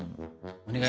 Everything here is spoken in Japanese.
お願い。